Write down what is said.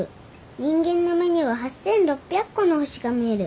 人間の目には８，６００個の星が見える。